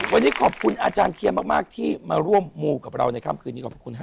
วันนี้ขอบคุณอาจารย์เทียมมากที่มาร่วมมูกับเราในค่ำคืนนี้ขอบคุณฮะ